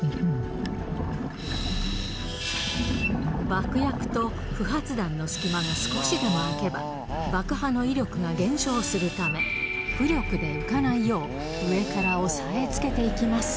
爆薬と不発弾の隙間が少しでもあけば、爆破の威力が減少するため、浮力で浮かないよう、上から押さえつけていきます。